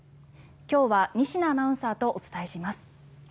今日は仁科アナウンサーとお伝えします。